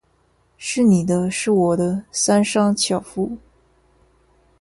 是你的；是我的，三商巧福。